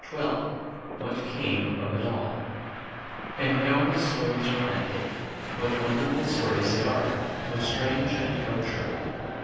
ft ■§^ WHAT CAME OF IT ALL AND now my stories are ended. What won . derful stories they are! How strange and how true!